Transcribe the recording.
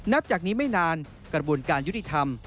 นับจากนี้ไม่นานกระบวนการยุติธรรม